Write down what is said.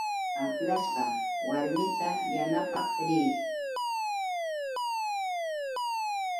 Aplashqa warmita yanapaq riy.